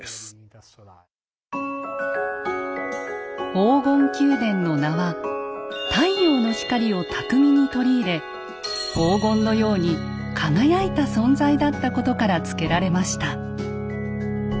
黄金宮殿の名は太陽の光を巧みに取り入れ黄金のように輝いた存在だったことから付けられました。